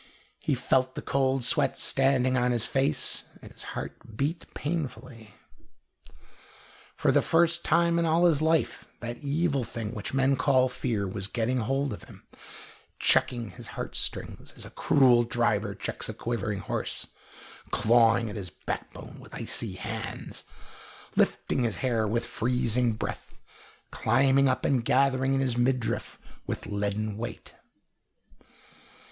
He felt the cold sweat standing on his face, and his heart beat painfully. For the first time in all his life that evil thing which men call fear was getting hold of him, checking his heart strings as a cruel driver checks a quivering horse, clawing at his backbone with icy hands, lifting his hair with freezing breath, climbing up and gathering in his midriff with leaden weight.